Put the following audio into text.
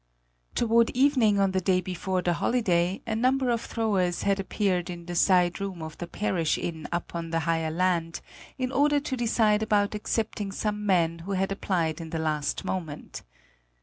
Toward evening on the day before the holiday a number of throwers had appeared in the side room of the parish inn up on the higher land, in order to decide about accepting some men who had applied in the last moment.